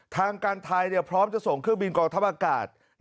ทางการไทยพร้อมจะส่งเครื่องบินกองทัพอากาศ